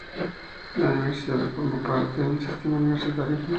La Universidad forma parte del Sistema Universitario Argentino.